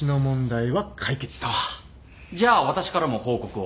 じゃあ私からも報告を。